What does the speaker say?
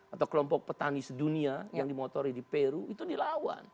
atau kelompok petani sedunia yang dimotori di peru itu dilawan